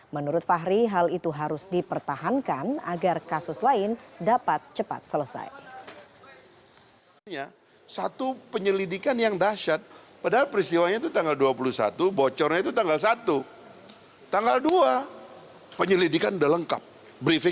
menurut fahri hal itu harus dipertahankan agar kasus lain dapat cepat selesai